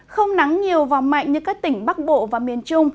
không nắng nhiều và mạnh như các tỉnh bắc bộ và miền trung